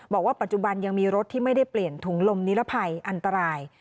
บอกว่าปัจจุบันยังมีรถที่ไม่ได้เปลี่ยนถุงลมนิรภัยอันตราย